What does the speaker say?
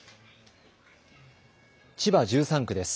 千葉１３区です。